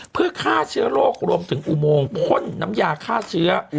เพื่อฆ่าเชื้อโรครวมถึงอุโมงพ่นน้ำยาฆ่าเชื้อ